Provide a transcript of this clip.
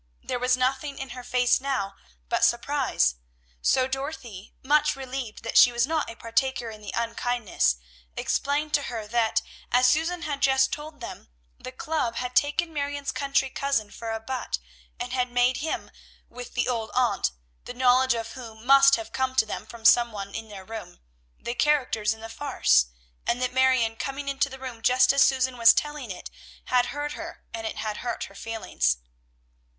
There was nothing in her face now but surprise; so Dorothy, much relieved that she was not a partaker in the unkindness, explained to her that, as Susan had just told them, the club had taken Marion's country cousin for a butt, and had made him, with the old aunt, the knowledge of whom must have come to them from some one in their room, the characters in the farce; and that Marion, coming into the room just as Susan was telling of it, had heard her; and it had hurt her feelings.